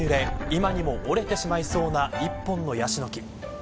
今にも折れてしまいそうな一本のヤシの木。